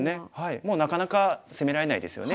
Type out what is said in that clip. もうなかなか攻められないですよね。